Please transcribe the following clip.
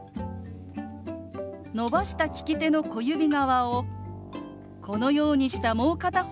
伸ばした利き手の小指側をこのようにしたもう片方の手の真ん中に当てます。